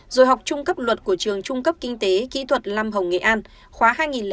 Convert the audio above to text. rồi học trung cấp luật của trường trung cấp kinh tế kỹ thuật lâm hồng nghệ an khóa hai nghìn chín hai nghìn một mươi một